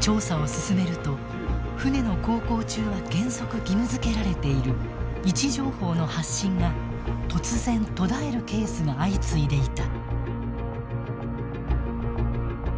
調査を進めると、船の航行中は原則、義務付けられている位置情報の発信が突然、途絶えるケースが相次いでいた。